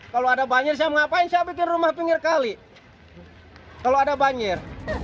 kalau ada banjir saya ngapain saya bikin rumah pinggir kali kalau ada banjir